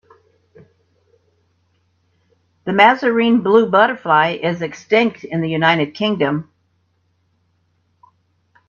The Mazarine Blue butterfly is extinct in the United Kingdom.